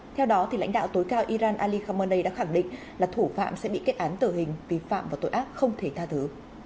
theo đó lãnh đạo tối cao iran ali khamenei đã khẳng định là thủ phạm sẽ bị kết án tử hình vi phạm và tội ác không thể tha thứ